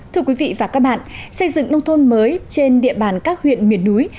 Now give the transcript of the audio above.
thưa quý vị và các bạn xây dựng nông thôn mới trên địa bàn các huyện miền núi